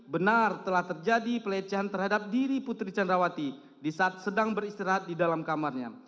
benar telah terjadi pelecehan terhadap diri putri candrawati di saat sedang beristirahat di dalam kamarnya